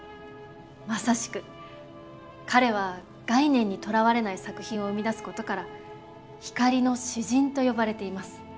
まさしく彼は概念にとらわれない作品を生み出すことから「光の詩人」と呼ばれています。